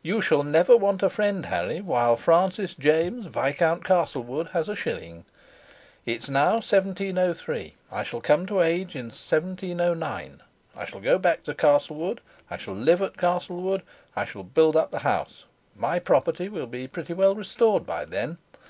You shall never want a friend, Harry, while Francis James Viscount Castlewood has a shilling. It's now 1703 I shall come of age in 1709. I shall go back to Castlewood; I shall live at Castlewood; I shall build up the house. My property will be pretty well restored by then.